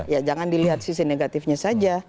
ya jangan dilihat sisi negatifnya saja